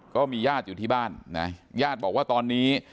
ก็มีญาติอยู่ที่บ้านนะญาติบอกว่าตอนนี้